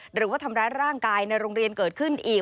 หรือว่าทำร้ายร่างกายในโรงเรียนเกิดขึ้นอีก